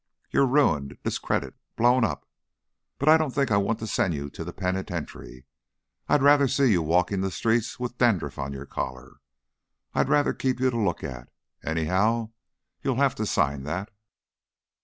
You're ruined, discredited, blown up, but I don't think I want to send you to the penitentiary. I'd rather see you walking the streets with dandruff on your collar. I'd rather keep you to look at. Anyhow, you'll have to sign that."